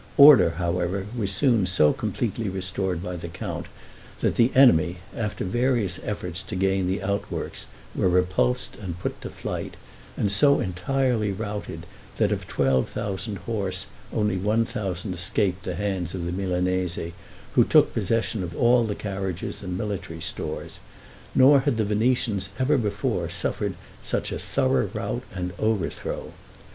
Order, however, was soon so completely restored by the count, that the enemy, after various efforts to gain the outworks, were repulsed and put to flight; and so entirely routed, that of twelve thousand horse only one thousand escaped the hands of the Milanese, who took possession of all the carriages and military stores; nor had the Venetians ever before suffered such a thorough rout and overthrow.